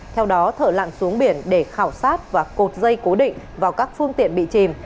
theo đó thợ lặn xuống biển để khảo sát và cột dây cố định vào các phương tiện bị chìm